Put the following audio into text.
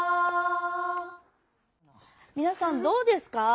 みなさんどうですか？